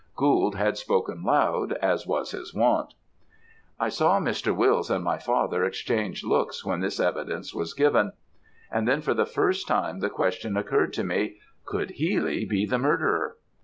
Gould had spoken loud, as was his wont. "I saw Mr. Wills and my father exchange looks when this evidence was given, and then for the first time the question occurred to me, could Healy be the murderer?